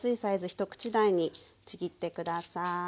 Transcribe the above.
一口大にちぎって下さい。